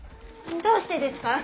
どうしてですか？